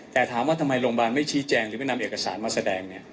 แต่ถามว่าทำไมโรงพยาบาลไม่ชี้แจงหรือไม่นำเอกสารมาแสดงเนี่ย